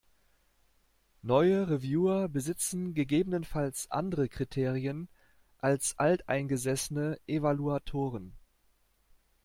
Neue Reviewer besitzen gegebenenfalls andere Kriterien als alteingesessene Evaluatoren.